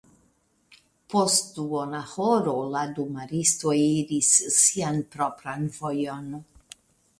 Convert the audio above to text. Post duona horo la du maristoj iris sian propran vojon.